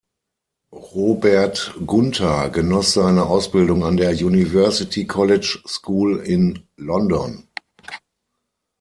Robert Gunther genoss seine Ausbildung an der University College School in London.